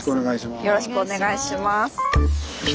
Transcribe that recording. よろしくお願いします。